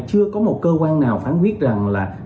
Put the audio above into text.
chưa có một cơ quan nào phán quyết rằng là